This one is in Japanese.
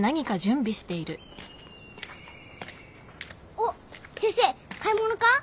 おっ先生買い物か？